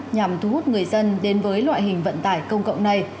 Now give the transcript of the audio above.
nhằm thu hút người dân đến với loại hình vận tải công cộng này